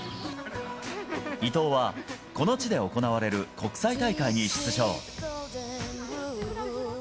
伊藤はこの地で行われる国際大会に出場。